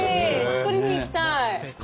作りに行きたい！